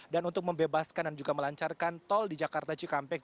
dan untuk membebaskan dan juga melancarkan tol di jakarta cikampek